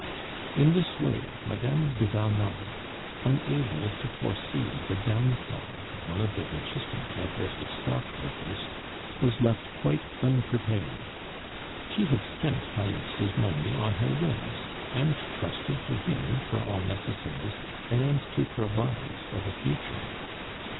In this way Madame du Val Noble, unable to foresee the downfall of one of the richest and cleverest of stockbrokers, was left quite unprepared. She had spent Falleix's money on her whims, and trusted to him for all necessaries and to provide for the future.